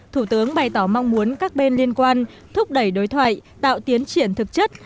thủ tướng bày tỏ mong muốn các bên liên quan thúc đẩy đối thoại tạo tiến triển thực chất